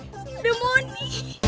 hah ada mondi